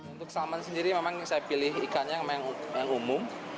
untuk salmon sendiri memang saya pilih ikannya yang umum